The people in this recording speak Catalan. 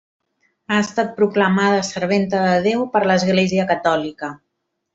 Ha estat proclamada serventa de Déu per l'Església catòlica.